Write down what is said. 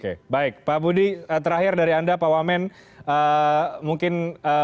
oke baik pak budi terakhir dari anda pak wamen mungkin